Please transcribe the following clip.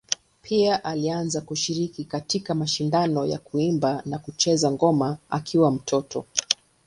Pia alianza kushiriki katika mashindano ya kuimba na kucheza ngoma akiwa mtoto.